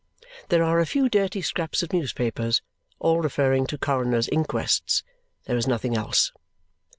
There are a few dirty scraps of newspapers, all referring to coroners' inquests; there is nothing else.